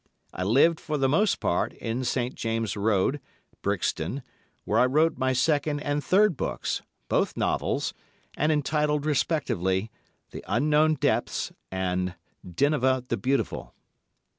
I lived, for the most part, in St. James' Road, Brixton, where I wrote my second and third books, both novels, and entitled respectively "The Unknown Depths" and "Dinevah the Beautiful."